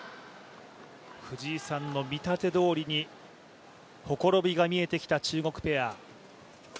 藤井さんの見立てどおりにほころびが出てきた中国ペア。